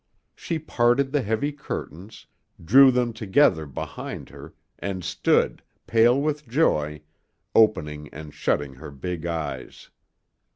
She parted the heavy curtains, drew them together behind her, and stood, pale with joy, opening and shutting her big eyes.